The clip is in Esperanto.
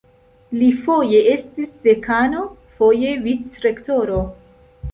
Li foje estis dekano, foje vicrektoro.